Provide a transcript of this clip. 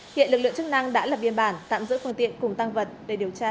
hiện lực lượng chức năng đã lập biên bản tạm giữ phương tiện cùng tăng vật để điều tra